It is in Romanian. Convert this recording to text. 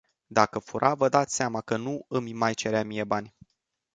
Dacă fura, vă dați seama că nu îmi mai cerea mie bani.